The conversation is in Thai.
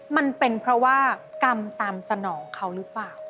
มันเป็นเพราะว่ากรรมตามสนองเขาหรือเปล่า